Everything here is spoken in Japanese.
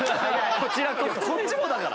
こっちもだから！